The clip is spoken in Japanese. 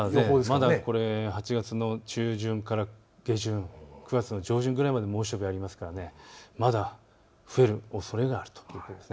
まだ８月の中旬から下旬、９月の上旬まで猛暑でありますからまだ増えるおそれがあるということです。